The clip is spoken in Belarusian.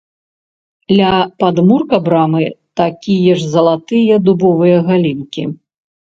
Ля падмурка брамы такія ж залатыя дубовыя галінкі.